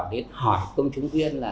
để hỏi công chứng viên là